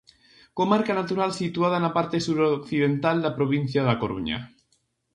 Comarca natural situada na parte suroccidental da provincia da Coruña.